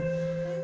ada kejar atau apa